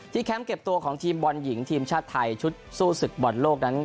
แคมป์เก็บตัวของทีมบอลหญิงทีมชาติไทยชุดสู้ศึกบอลโลกนั้น